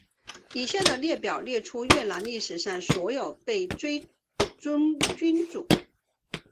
以下的列表列出越南历史上所有被追尊君主。